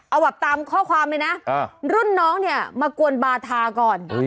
เอาแบบตามข้อความเลยนะรุ่นน้องเนี่ยมากวนบาทาก่อน